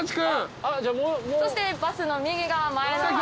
そしてバスの右側前の方。